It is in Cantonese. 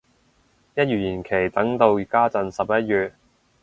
一月延期等到家陣十一月